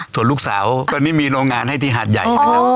ส่วนลูกสาวตอนนี้มีโรงงานให้ที่หาดใหญ่นะครับ